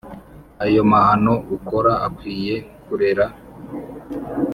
ayo mahano ukora ukwiye kurera